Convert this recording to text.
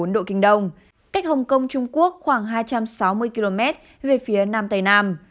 một trăm một mươi ba bốn độ kinh đông cách hồng kông trung quốc khoảng hai trăm sáu mươi km về phía nam tây nam